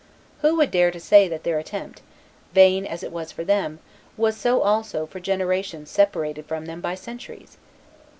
Who would dare to say that their attempt, vain as it was for them, was so also for generations separated from them by centuries?